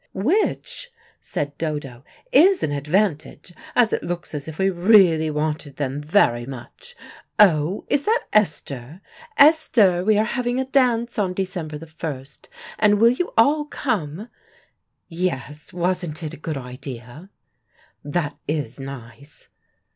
"Which," said Dodo, "is an advantage, as it looks as if we really wanted them very much. Oh, is that Esther? Esther, we are having a dance on December the first, and will you all come? Yes: wasn't it a good idea? That is nice.